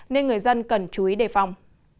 nên người dân cần chú ý đề phòng